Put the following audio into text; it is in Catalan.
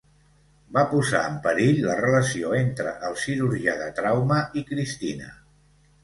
Va posar en perill la relació entre el cirurgià de trauma i Cristina.